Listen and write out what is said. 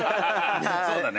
そうだね。